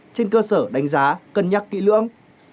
trên cơ sở đánh giá cân nhắc kỹ lưỡng